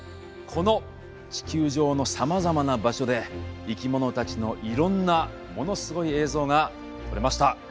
この地球上のさまざまな場所で生き物たちのいろんなものすごい映像が撮れました。